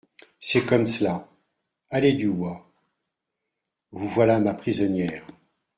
C'est comme cela. — Allez, Dubois. — Vous voilà ma prisonnière.